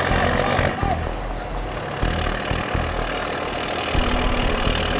skemar bayangan sebelum pertempuran